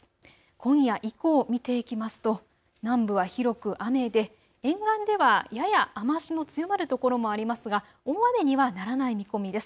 今夜以降を見ていきますと南部は広く雨で沿岸ではやや雨足の強まる所もありますが大雨にはならない見込みです。